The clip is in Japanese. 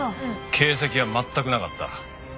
形跡は全くなかった。